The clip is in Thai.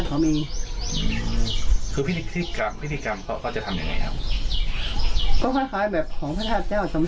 นี่คือส่งน้ำอะไรครับ